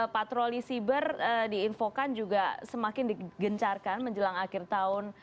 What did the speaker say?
patroli siber diinfokan juga semakin digencarkan menjelang akhir tahun